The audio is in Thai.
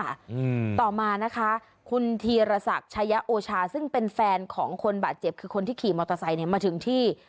อืมต่อมานะคะคุณธีรศักดิ์ชายโอชาซึ่งเป็นแฟนของคนบาดเจ็บคือคนที่ขี่มอเตอร์ไซค์เนี้ยมาถึงที่